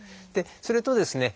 それとですね